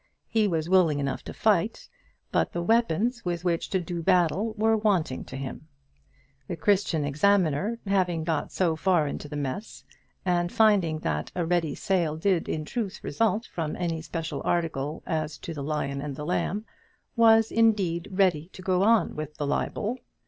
He was willing enough to fight, but the weapons with which to do battle were wanting to him. The Christian Examiner, having got so far into the mess, and finding that a ready sale did in truth result from any special article as to the lion and the lamb, was indeed ready to go on with the libel.